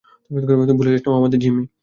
ভুলে যাস না যে ও আমাদের জিম্মি।